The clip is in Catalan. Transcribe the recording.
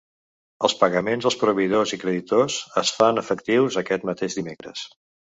Els pagaments als proveïdors i creditors es fan efectius aquest mateix dimecres.